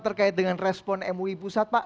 terkait dengan respon mui pusat pak